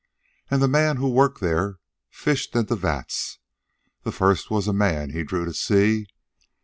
And the man who worked there fished in the vats. The first was a man he drew to see.